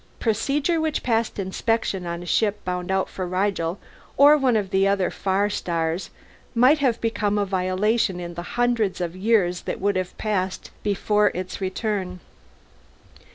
Procedure which passed inspection on a ship bound out for Rigel or one of the other far stars might have become a violation in the hundreds of years that would have passed before its return.